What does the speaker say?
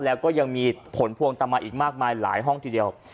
แล้วก็ยังมีผลพวงตามมาอีกมากมายหลายห้องทีเดียว